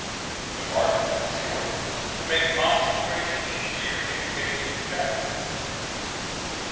The marches were short, to make concentration easier in case of attack.